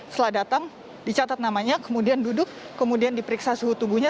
setelah datang dicatat namanya kemudian duduk kemudian diperiksa suhu tubuhnya